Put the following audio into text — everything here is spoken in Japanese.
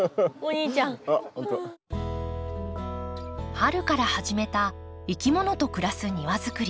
春から初めたいきものと暮らす庭作り。